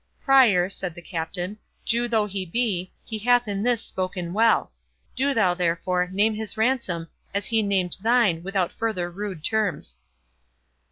"Prior," said the Captain, "Jew though he be, he hath in this spoken well. Do thou, therefore, name his ransom, as he named thine, without farther rude terms."